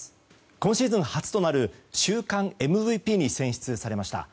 今シーズン初となる週間ＭＶＰに選出されました。